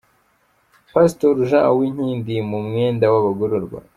Pasitori Jean Uwinkindi mu mwenda w’abagororwa.